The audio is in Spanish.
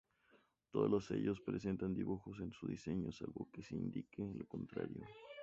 Todos los sellos presentan dibujos en su diseño, salvo que se indique lo contrario.